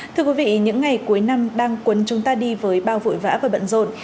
thưa quý vị những ngày cuối năm đang cuốn chúng ta đi với bao vội vã và bận rộn